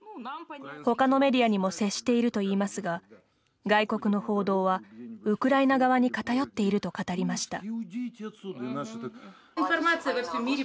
ほかのメディアにも接しているといいますが、外国の報道はウクライナ側に偏っていると語りました。